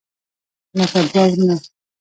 لکه دوه ورونه.